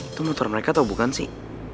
itu motor mereka tau bukan sih